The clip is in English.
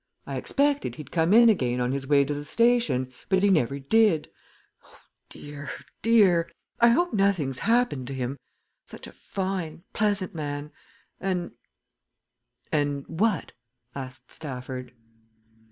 I expected he'd come in again on his way to the station, but he never did. Dear, dear! I hope nothing's happened to him such a fine, pleasant man. And " "And what?" asked Stafford.